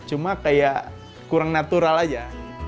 cuma kayak kurang natural aja